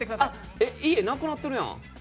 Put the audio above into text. えっ、家なくなってるやん。